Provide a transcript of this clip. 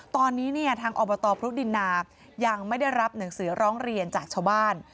ตอนนี้เนี่ยทางอบตพรุดินนายังไม่ได้รับหนังสือร้องเรียนจากชาวบ้าน